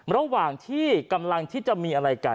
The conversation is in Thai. ระหว่างที่กำลังที่จะมีอะไรกัน